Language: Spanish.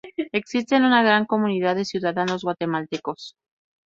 Existen una gran comunidad de ciudadanos guatemaltecos.